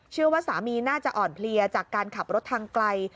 เชื่อว่าสามีน่าจะอ่อนเพลียจากการขับรถทางไกล